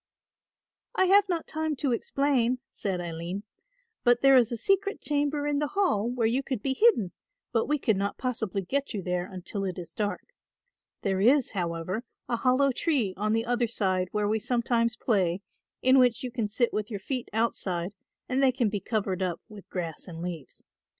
"I have not time to explain," said Aline, "but there is a secret chamber in the Hall where you could be hidden, but we could not possibly get you there until it is dark. There is, however, a hollow tree on the other side where we sometimes play, in which you can sit with your feet outside and they can be covered up with grass and leaves.